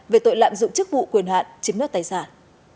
về tội lạm dụng chức vụ quyền hạn chiếm nước tài sản